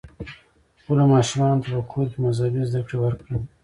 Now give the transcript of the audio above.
خپلو ماشومانو ته په کور کې مذهبي زده کړې ورکړئ.